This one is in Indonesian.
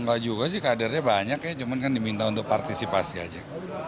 nggak juga sih kadernya banyak ya cuman kan diminta untuk partisipasi aja